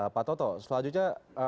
pak toto selanjutnya